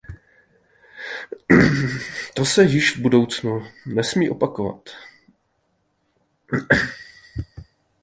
To se již v budoucnu nesmí opakovat.